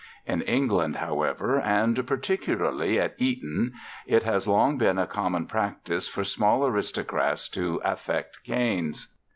In England, however, and particularly at Eton, it has long been a common practice for small aristocrats to affect canes.